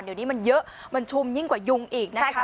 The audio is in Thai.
เดี๋ยวนี้มันเยอะมันชุมยิ่งกว่ายุงอีกนะคะ